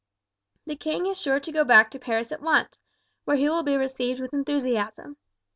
The king is sure to go back to Paris at once, where he will be received with enthusiasm.